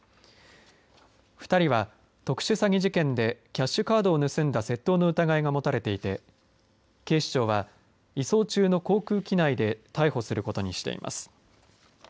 ２人は特殊詐欺事件でキャッシュカードを盗んだ窃盗の疑いが持たれていて警視庁は移送中の航空機内で逮捕することにしています。